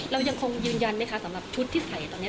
เรายังคงยืนยันไหมคะสำหรับชุดที่ใส่ตอนนี้